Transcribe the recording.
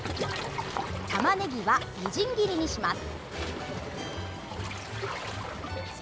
たまねぎは、みじん切りにします。